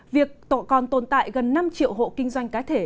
việc còn tồn tại gần năm triệu hộ kinh doanh cá thể